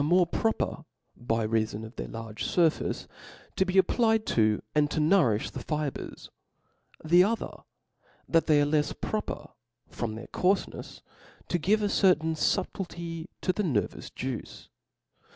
Z'z.' ^^^ ^ovc proper by rcafon of their large furface, to be applied to, and to nourifli, the fibres : the other, that they are lefs proper, from their coarfe jiefs, to give a certain fubtiity to the nervous juice.